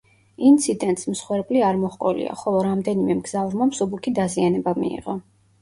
ინციდენტს მსხვერპლი არ მოჰყოლია, ხოლო რამდენიმე მგზავრმა მსუბუქი დაზიანება მიიღო.